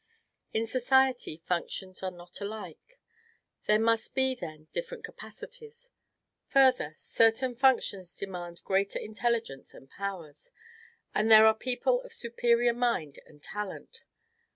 In society, functions are not alike; there must be, then, different capacities. Further, certain functions demand greater intelligence and powers; then there are people of superior mind and talent.